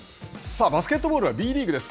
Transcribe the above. さあ、バスケットボールはＢリーグです。